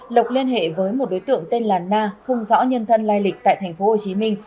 lộc liên hệ với một đối tượng tên là na không rõ nhân thân lai lịch tại thành phố hồ chí minh